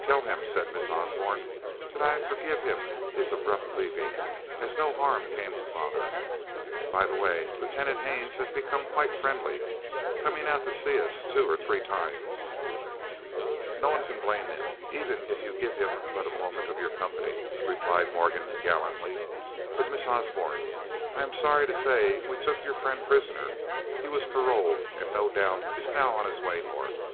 "Tell him," said Miss Osborne, "that I forgive him his abrupt leaving, as no harm came to father. By the way, Lieutenant Haines has become quite friendly, coming out to see us two or three times." "No one can blame him, even if you give him but a moment of your company," replied Morgan, gallantly. "But Miss Osborne, I am sorry to say we took your friend prisoner. He was paroled, and no doubt is now on his way North."